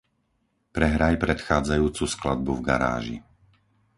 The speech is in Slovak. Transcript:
Prehraj predchádzajúcu skladbu v garáži.